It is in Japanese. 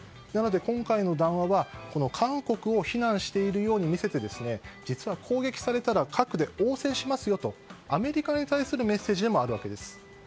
なので今回の談話は韓国を非難しているように見せて実は攻撃されたら核で応戦しますよとアメリカに対するメッセージでもあるわけです。